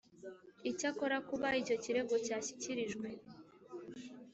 Icyakora kuba icyo kirego cyashyikirijwe